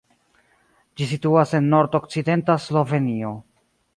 Ĝi situas en nord-okcidenta Slovenio.